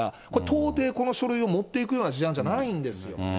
到底、この書類を持っていくような事案じゃないんです。